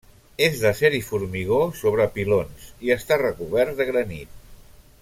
És d'acer i formigó sobre pilons, i està recobert de granit.